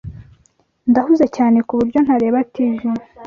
Ndahuze cyane kuburyo ntareba TV.